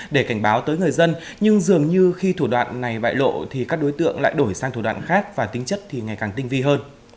dường như khi thủ đoạn này bại lộ thì các đối tượng lại đổi sang thủ đoạn khác và tính chất thì ngày càng tinh vi hơn